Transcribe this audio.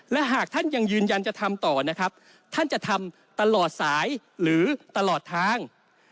และหากท่านยังยืนยันจะทำต่อนะครับท่านจะทำตลอดสายหรือตลอดทาง